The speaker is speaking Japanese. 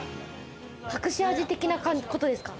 隠し味的なことですか？